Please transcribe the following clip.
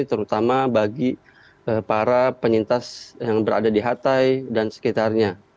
terutama bagi para penyintas yang berada di hatay dan sekitarnya